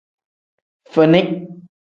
Fini.